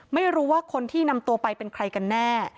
ไม่รู้ว่าคนที่นำตัวไปเป็นใครกันแน่